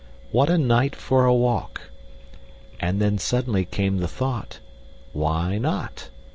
What a night for a walk! And then suddenly came the thought, "Why not?"